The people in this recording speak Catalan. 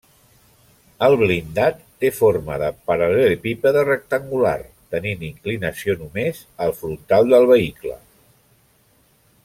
El blindat té forma de paral·lelepípede rectangular, tenint inclinació només al frontal del vehicle.